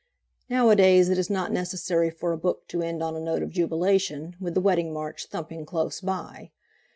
Nowadays it is not necessary for a book to end on a note of jubilation, with the Wedding March thumping close by.